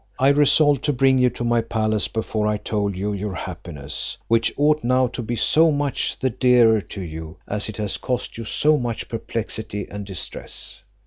I resolved to bring you to my palace before I told you your happiness; which ought now to be so much the dearer to you, as it has cost you so much perplexity and distress.